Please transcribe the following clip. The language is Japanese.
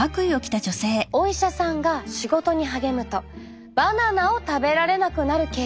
お医者さんが仕事に励むとバナナを食べられなくなるケース。